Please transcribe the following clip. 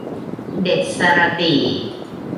เด็ดสะระตี่